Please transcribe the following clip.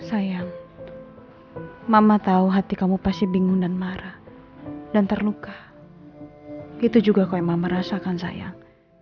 sayang mama tahu hati kamu pasti bingung dan marah dan terluka itu juga kaum merasakan sayang